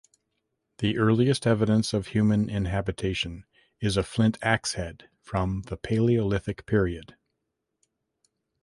The earliest evidence of human inhabitation is a flint axehead from the Palaeolithic period.